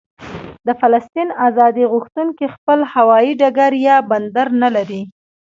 د فلسطین ازادي غوښتونکي خپل هوايي ډګر یا بندر نه لري.